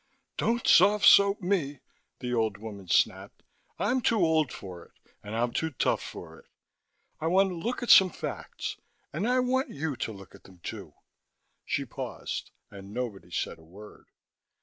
"Don't soft soap me," the old woman snapped. "I'm too old for it and I'm too tough for it. I want to look at some facts, and I want you to look at them, too." She paused, and nobody said a word.